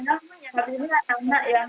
tapi ini anak anak yang